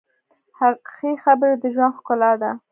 ښه خبرې د ژوند ښکلا ده.